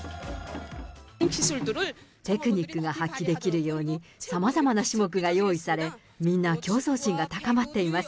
テクニックが発揮できるように、さまざまな種目が用意され、みんな競争心が高まっています。